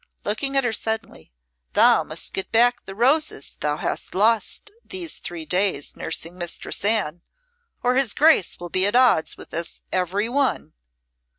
looking at her suddenly, "thou must get back the roses thou hast lost these three days nursing Mistress Anne, or his Grace will be at odds with us every one."